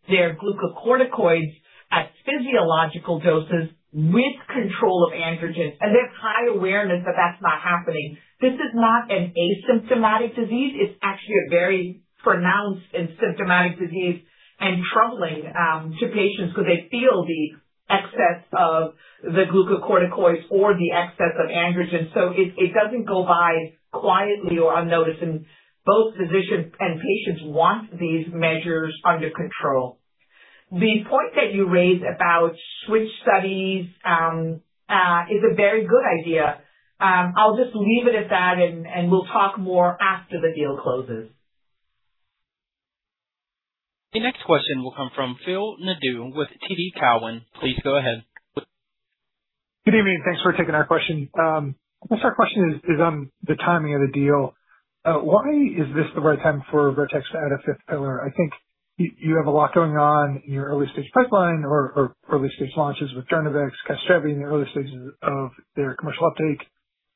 their glucocorticoids at physiological doses with control of androgen. And there's high awareness that that's not happening. This is not an asymptomatic disease. It's actually a very pronounced and symptomatic disease and troubling to patients because they feel the excess of the glucocorticoids or the excess of androgen. It doesn't go by quietly or unnoticed, and both physicians and patients want these measures under control. The point that you raised about switch studies is a very good idea. I'll just leave it at that, and we'll talk more after the deal closes. The next question will come from Phil Nadeau with TD Cowen. Please go ahead. Good evening. Thanks for taking our question. I guess our question is on the timing of the deal. Why is this the right time for Vertex to add a fifth pillar? I think you have a lot going on in your early-stage pipeline or early-stage launches with Turnivex, CASGEVY in the early stages of their commercial uptake.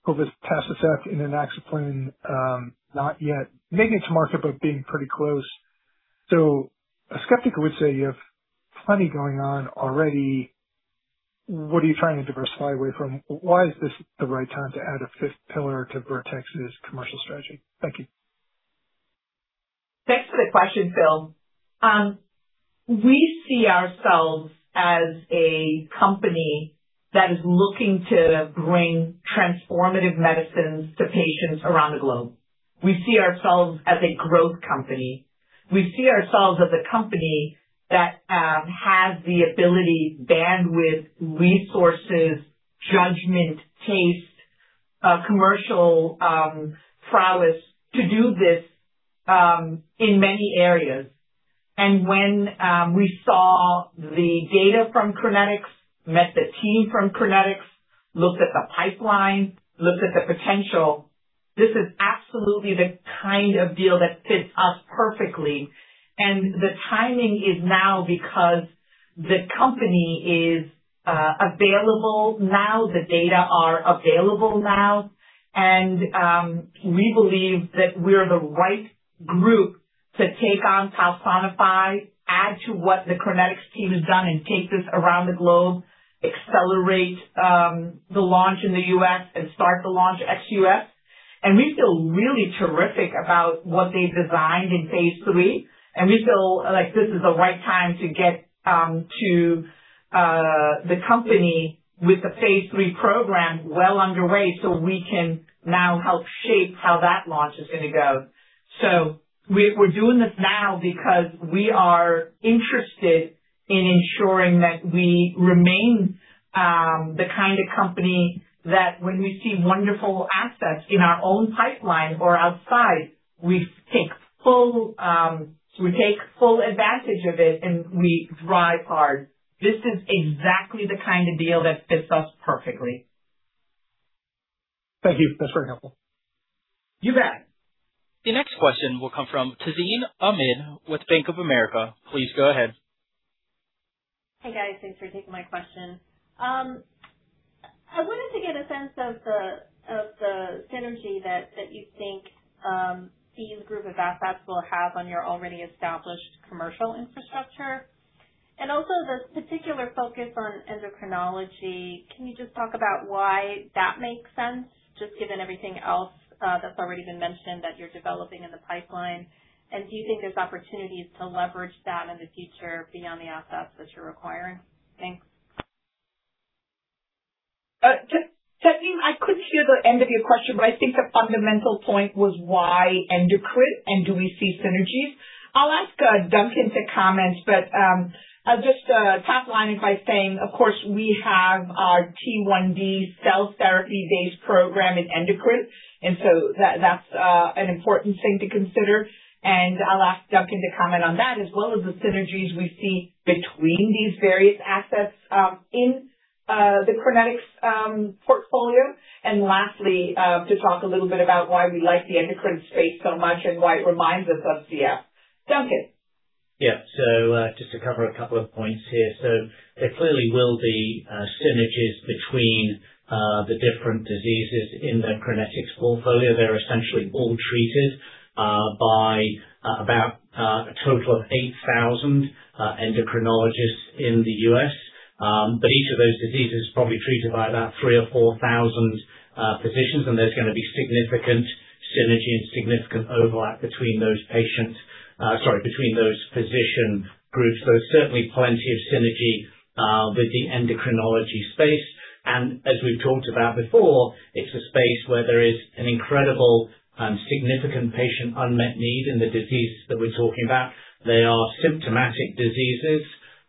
COVID, pasuf, inaxaplin, not yet. Maybe it's market, but being pretty close. A skeptic would say you have plenty going on already. What are you trying to diversify away from? Why is this the right time to add a fifth pillar to Vertex's commercial strategy? Thank you. Thanks for the question, Phil. We see ourselves as a company that is looking to bring transformative medicines to patients around the globe. We see ourselves as a growth company. We see ourselves as a company that has the ability, bandwidth, resources, judgment, taste, commercial prowess to do this in many areas. When we saw the data from Crinetics, met the team from Crinetics, looked at the pipeline, looked at the potential, this is absolutely the kind of deal that fits us perfectly. The timing is now because the company is available now, the data are available now, and we believe that we're the right group to take on PALSONIFY, add to what the Crinetics team has done and take this around the globe, accelerate the launch in the U.S. and start the launch ex-U.S. We feel really terrific about what they've designed in phase III, and we feel like this is the right time to get to the company with the phase III program well underway so we can now help shape how that launch is going to go. We're doing this now because we are interested in ensuring that we remain the kind of company that when we see wonderful assets in our own pipeline or outside, we take full advantage of it and we drive hard. This is exactly the kind of deal that fits us perfectly. Thank you. That's very helpful. You bet. The next question will come from Tazeen Ahmad with Bank of America. Please go ahead. Hey, guys. Thanks for taking my question. I wanted to get a sense of the synergy that you think these group of assets will have on your already established commercial infrastructure, and also the particular focus on endocrinology. Can you just talk about why that makes sense, just given everything else that's already been mentioned that you're developing in the pipeline? Do you think there's opportunities to leverage that in the future beyond the assets that you're acquiring? Thanks. Tazeen, I couldn't hear the end of your question, I think the fundamental point was why endocrine and do we see synergies? I'll ask Duncan to comment, I'll just top line it by saying, of course, we have our T1D cell therapy-based program in endocrine, that's an important thing to consider. I'll ask Duncan to comment on that as well as the synergies we see between these various assets in the Crinetics portfolio. Lastly, to talk a little bit about why we like the endocrine space so much and why it reminds us of CF. Duncan. Just to cover a couple of points here. There clearly will be synergies between the different diseases in the Crinetics portfolio. They're essentially all treated by about a total of 8,000 endocrinologists in the U.S. Each of those diseases is probably treated by about 3,000 or 4,000 physicians, there's going to be significant synergy and significant overlap between those physician groups. Certainly plenty of synergy with the endocrinology space. As we've talked about before, it's a space where there is an incredible significant patient unmet need in the diseases that we're talking about. They are symptomatic diseases,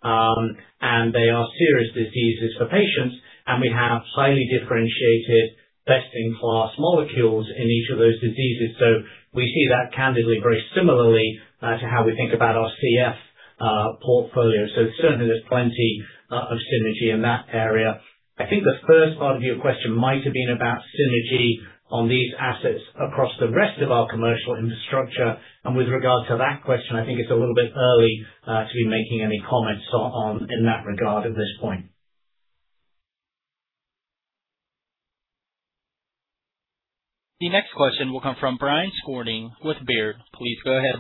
they are serious diseases for patients, we have highly differentiated best-in-class molecules in each of those diseases. We see that candidly very similarly to how we think about our CF portfolio. Certainly there's plenty of synergy in that area. I think the first part of your question might have been about synergy on these assets across the rest of our commercial infrastructure. With regards to that question, I think it's a little bit early to be making any comments in that regard at this point. The next question will come from Brian Skorney with Baird. Please go ahead.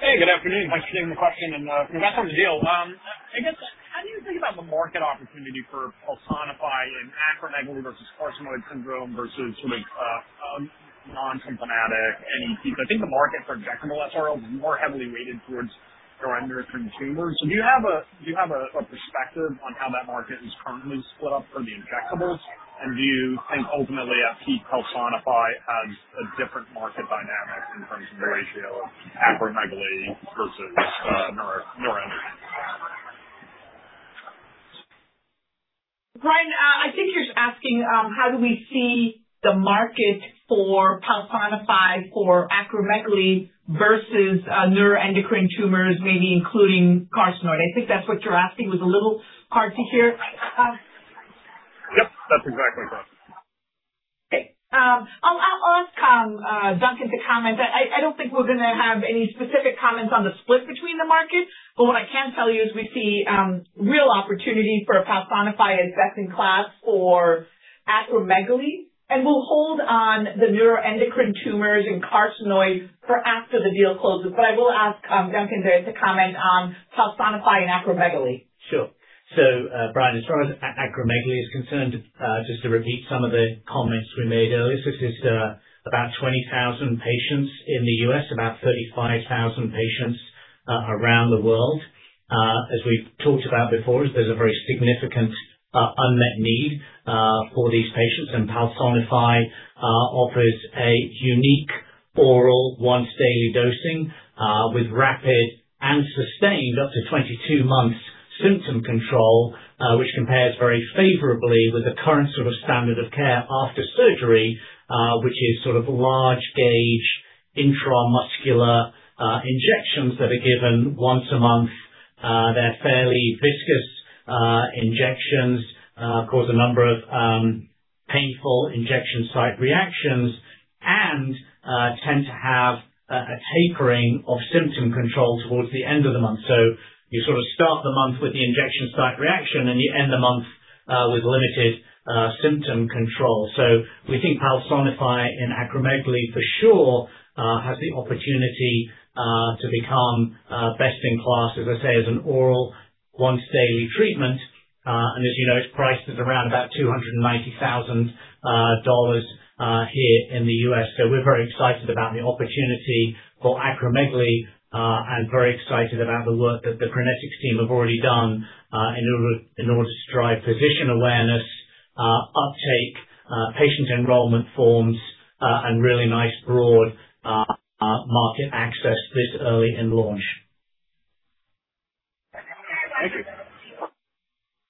Hey, good afternoon. Thanks for taking the question and congratulations on the deal. I guess, how do you think about the market opportunity for PALSONIFY in acromegaly versus carcinoid syndrome versus non-symptomatic NET? I think the markets are more heavily weighted towards neuroendocrine tumors. Do you have a perspective on how that market is currently split up for the injectables? Do you think ultimately PALSONIFY has a different market dynamic in terms of the ratio of acromegaly versus neuroendocrine? Brian, I think you're asking how do we see the market for PALSONIFY for acromegaly versus neuroendocrine tumors, maybe including carcinoid. I think that's what you're asking. It was a little hard to hear. Yep. That's exactly correct. Okay. Duncan to comment. I don't think we're going to have any specific comments on the split between the markets, but what I can tell you is we see real opportunity for PALSONIFY as best in class for acromegaly, and we'll hold on the neuroendocrine tumors and carcinoid for after the deal closes. I will ask Duncan McKechnie to comment on PALSONIFY and acromegaly. Sure. Brian, as far as acromegaly is concerned, just to repeat some of the comments we made earlier, this is about 20,000 patients in the U.S., about 35,000 patients around the world. As we've talked about before, there's a very significant unmet need for these patients, and PALSONIFY offers a unique oral once-daily dosing with rapid and sustained up to 22 months symptom control, which compares very favorably with the current sort of standard of care after surgery, which is sort of large gauge intramuscular injections that are given once a month. They're fairly viscous injections, cause a number of painful injection site reactions and tend to have a tapering of symptom control towards the end of the month. You sort of start the month with the injection site reaction, and you end the month with limited symptom control. We think PALSONIFY in acromegaly for sure has the opportunity to become best in class, as I say, as an oral once daily treatment. As you know, it's priced at around about $290,000 here in the U.S. We're very excited about the opportunity for acromegaly and very excited about the work that the Crinetics team have already done in order to drive physician awareness, uptake, patient enrollment forms and really nice broad market access this early in launch.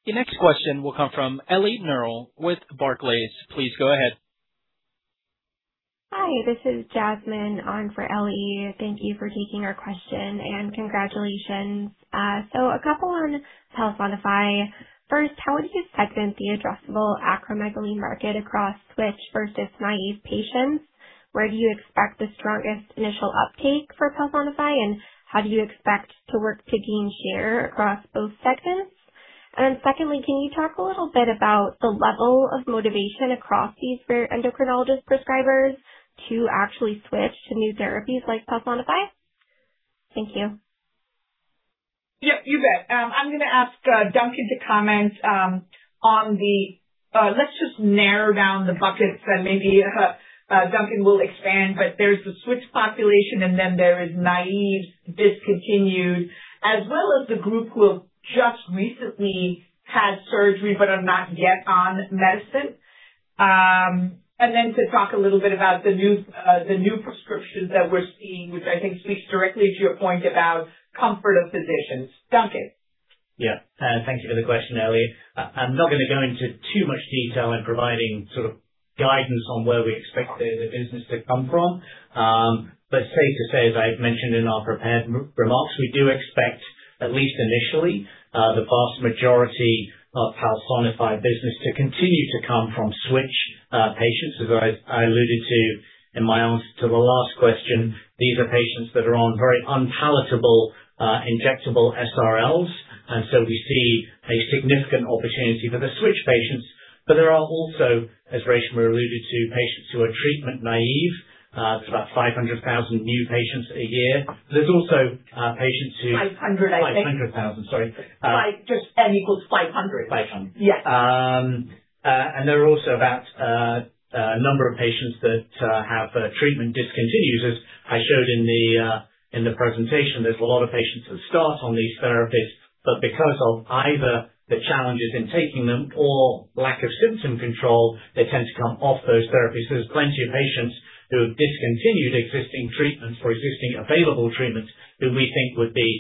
Thank you. The next question will come from Ellie Merle with Barclays. Please go ahead. Hi, this is Jasmine on for Ellie. Thank you for taking our question and congratulations. A couple on PALSONIFY. First, how would you segment the addressable acromegaly market across switch versus naive patients? Where do you expect the strongest initial uptake for PALSONIFY, and how do you expect to work to gain share across both segments? Secondly, can you talk a little bit about the level of motivation across these for endocrinologist prescribers to actually switch to new therapies like PALSONIFY? Thank you. Yeah, you bet. I'm going to ask Duncan to comment on the Let's just narrow down the buckets and maybe Duncan will expand, but there's the switch population. There is naive, discontinued, as well as the group who have just recently had surgery but are not yet on medicine. To talk a little bit about the new prescriptions that we're seeing, which I think speaks directly to your point about comfort of physicians. Duncan. Yeah. Thank you for the question, Jasmine. I'm not going to go into too much detail in providing sort of guidance on where we expect the business to come from. Safe to say, as I've mentioned in our prepared remarks, we do expect, at least initially, the vast majority of PALSONIFY business to continue to come from switch patients. As I alluded to in my answer to the last question, these are patients that are on very unpalatable injectable SRLs, we see a significant opportunity for the switch patients. There are also, as Reshma alluded to, patients who are treatment naive. It's about 500,000 new patients a year. There's also patients who- 500, I think. 500,000. Sorry. Just N equals 500. 500. Yes. There are also about a number of patients that have treatment discontinued. As I showed in the presentation, there's a lot of patients that start on these therapies, but because of either the challenges in taking them or lack of symptom control, they tend to come off those therapies. There's plenty of patients who have discontinued existing treatments or existing available treatments who we think would be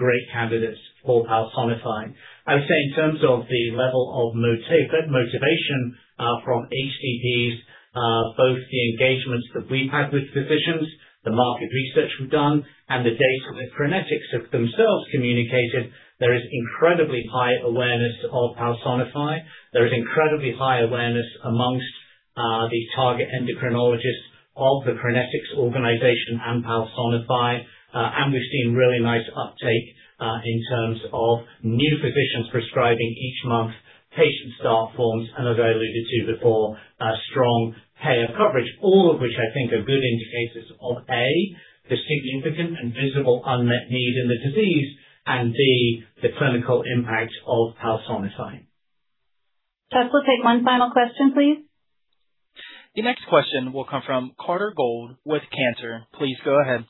great candidates for PALSONIFY. I would say in terms of the level of motivation from HCPs, both the engagements that we've had with physicians, the market research we've done, and the data that Crinetics have themselves communicated, there is incredibly high awareness of PALSONIFY. There is incredibly high awareness amongst the target endocrinologists of the Crinetics organization and PALSONIFY. We've seen really nice uptake in terms of new physicians prescribing each month, patient start forms and as I alluded to before, strong payer coverage, all of which I think are good indicators of A, the significant and visible unmet need in the disease, and B, the clinical impact of PALSONIFY. Chuck, we'll take one final question, please. The next question will come from Carter Gould with Cantor. Please go ahead.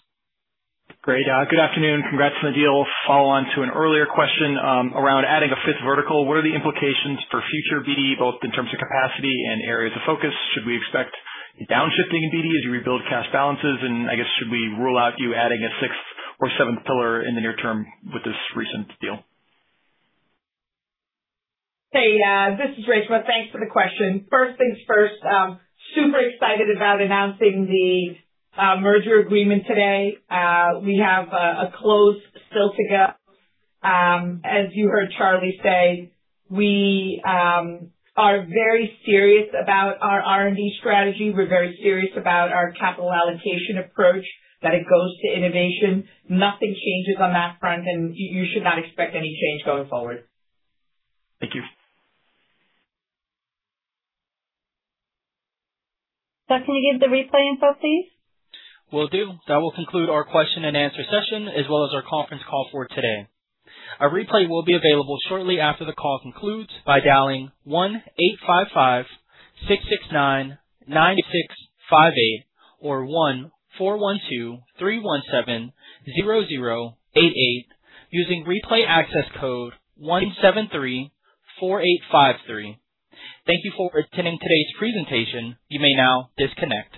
Great. Good afternoon. Congrats on the deal. Follow on to an earlier question around adding a fifth vertical. What are the implications for future BD, both in terms of capacity and areas of focus? Should we expect a downshifting in BD as you rebuild cash balances? I guess, should we rule out you adding a sixth or seventh pillar in the near term with this recent deal? Hey this is Reshma. Thanks for the question. First things first, super excited about announcing the merger agreement today. We have a close still to go. As you heard Charlie say, we are very serious about our R&D strategy. We're very serious about our capital allocation approach, that it goes to innovation. Nothing changes on that front, and you should not expect any change going forward. Thank you. Chuck, can you give the replay info, please? Will do. That will conclude our question and answer session, as well as our conference call for today. A replay will be available shortly after the call concludes by dialing 1-855-669-9658 or 1-412-317-0088 using replay access code 1734853. Thank you for attending today's presentation. You may now disconnect.